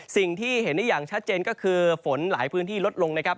สิ่งที่เห็นได้อย่างชัดเจนก็คือฝนหลายพื้นที่ลดลงนะครับ